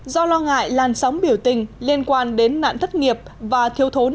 do lo ngại làn sóng biểu tình liên quan đến nạn thất nghiệp và thiếu thốn